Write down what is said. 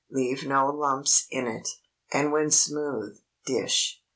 Leave no lumps in it, and when smooth, dish.